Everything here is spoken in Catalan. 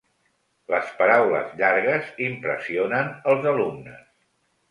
Les paraules llargues impressionen els alumnes.